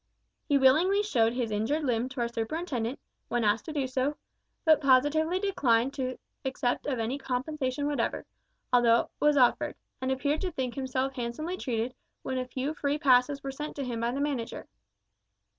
He willingly showed his injured limb to our superintendent, when asked to do so, but positively declined to accept of any compensation whatever, although it was offered, and appeared to think himself handsomely treated when a few free passes were sent to him by the manager.